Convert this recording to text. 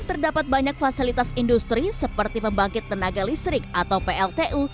terdapat banyak fasilitas industri seperti pembangkit tenaga listrik atau pltu